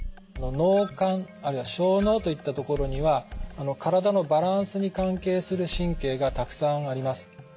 脳幹あるいは小脳といったところには体のバランスに関係する神経がたくさんあります。